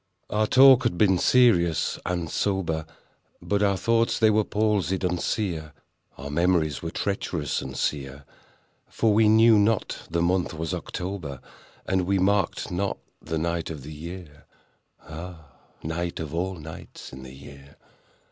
Our talk had been serious and sober, But our thoughts they were palsied and sere— Our memories were treacherous and sere; For we knew not the month was October, And we marked not the night of the year— (Ah, night of all nights in the year!)